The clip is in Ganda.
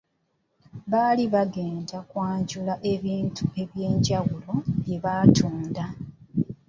Baali bagenda kwanjula ebintu eby’enjawulo bye batunda.